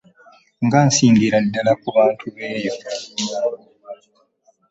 Nga nsingira ddala ku bantu b'eyo.